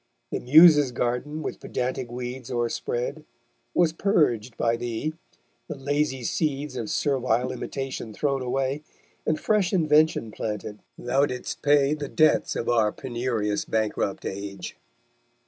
The Muses' garden, with pedantic weeds O'erspread, was purg'd by thee, the lazy seeds Of servile imitation thrown away, And fresh invention planted; thou disdt pay The debts of our penurious bankrupt age_.